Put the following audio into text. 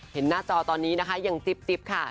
หน้าจอตอนนี้นะคะยังจิ๊บค่ะ